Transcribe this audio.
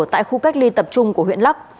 tại khu cách ly tập trung của huyện lắc